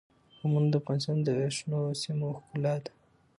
قومونه د افغانستان د شنو سیمو ښکلا ده.